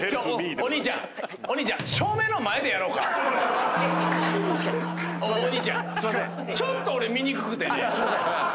お兄ちゃんちょっと俺見にくくてね。